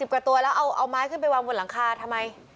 กว่าตัวแล้วเอาไม้ขึ้นไปวางบนหลังคาทำไม